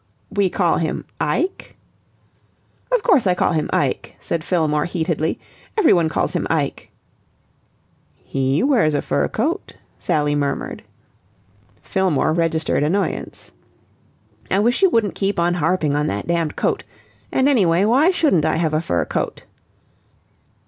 "We call him Ike!" "Of course I call him Ike," said Fillmore heatedly. "Everyone calls him Ike." "He wears a fur coat," Sally murmured. Fillmore registered annoyance. "I wish you wouldn't keep on harping on that damned coat. And, anyway, why shouldn't I have a fur coat?"